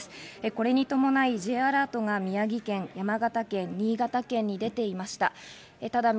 これにともない、Ｊアラートが宮城県、山形県、新潟県に出ていました。